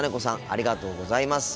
ありがとうございます。